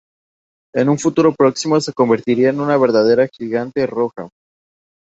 En un futuro próximo se convertirá en una verdadera gigante roja.